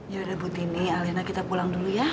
yaudah ibu tini alina kita pulang dulu ya